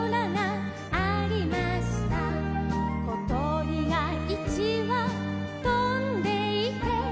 「ことりがいちわとんでいて」